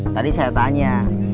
tadi saya tanya